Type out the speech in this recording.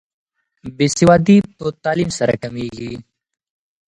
بې سوادي په تعلیم سره کمیږي.